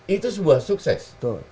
itu sebuah sukses